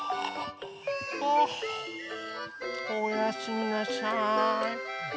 あおやすみなさい。